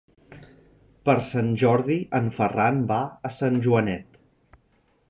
Per Sant Jordi en Ferran va a Sant Joanet.